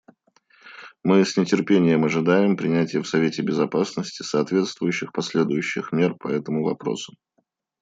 Мы с нетерпением ожидаем принятия в Совете Безопасности соответствующих последующих мер по этому вопросу.